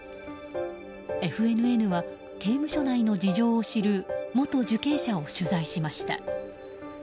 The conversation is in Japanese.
ＦＮＮは刑務所内の事情を知る元受刑者を取材しました。